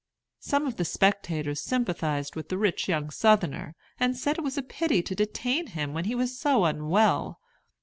Some of the spectators sympathized with the rich young Southerner, and said it was a pity to detain him when he was so unwell.